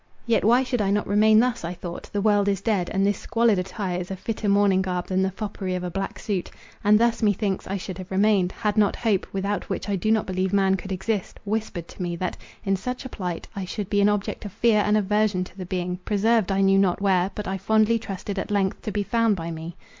Yet why should I not remain thus, I thought; the world is dead, and this squalid attire is a fitter mourning garb than the foppery of a black suit. And thus, methinks, I should have remained, had not hope, without which I do not believe man could exist, whispered to me, that, in such a plight, I should be an object of fear and aversion to the being, preserved I knew not where, but I fondly trusted, at length, to be found by me.